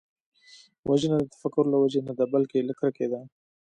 وژنه د تفکر له وجې نه ده، بلکې له کرکې ده